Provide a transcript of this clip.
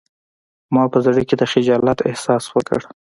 ما په زړه کې د خجالت احساس وکړ